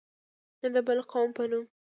نه د بل قوم په نوم.